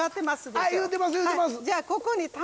じゃあここで？